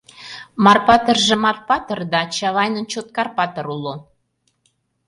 Мар-Патырже Мар-Патыр да, Чавайнын Чоткар Патыр уло.